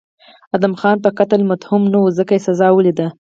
ادهم خان په قتل متهم و نو ځکه یې سزا ولیده.